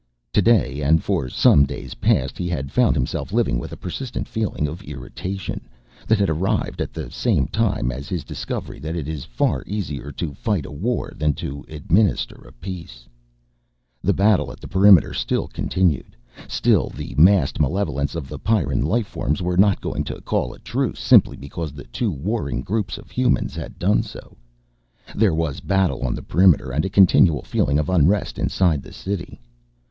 Today, and for some days past, he had found himself living with a persistent feeling of irritation, that had arrived at the same time as his discovery that it is far easier to fight a war than to administer a peace. The battle at the perimeter still continued, since the massed malevolence of the Pyrran life forms were not going to call a truce simply because the two warring groups of humans had done so. There was battle on the perimeter and a continual feeling of unrest inside the city.